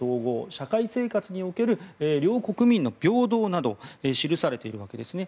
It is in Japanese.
社会生活における両国民の平等などが記されているわけですね。